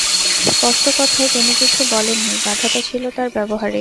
স্পষ্ট কথায় তিনি কিছু বলেন নি, বাধাটা ছিল তাঁর ব্যবহারে।